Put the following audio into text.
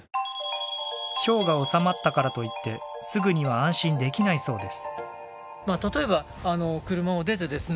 ひょうが収まったからといってすぐには安心できないそうです。